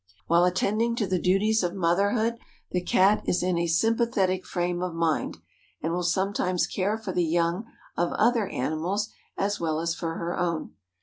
While attending to the duties of motherhood the Cat is in a sympathetic frame of mind and will sometimes care for the young of other animals as well as for her own.